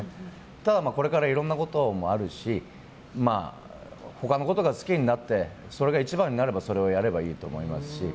ただこれからいろんなこともあるし他のことが好きになってそれが一番になればそれをやればいいと思いますし。